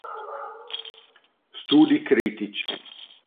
Studi critici